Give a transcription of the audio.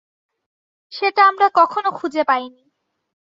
সেটা আমরা কখনো খুঁজে পাইনি।